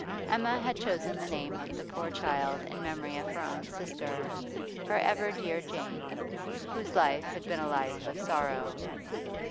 Emma had chosen the name of the poor child in memory of her own sister, her ever dear Jane, whose life had been a life of sorrow.